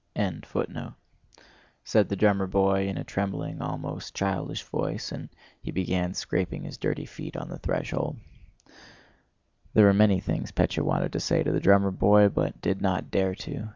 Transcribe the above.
"Merci, monsieur," * said the drummer boy in a trembling almost childish voice, and he began scraping his dirty feet on the threshold. * "Thank you, sir." There were many things Pétya wanted to say to the drummer boy, but did not dare to.